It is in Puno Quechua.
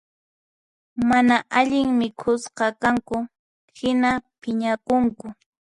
Mana allin mikhusqakanku hina phiñakunku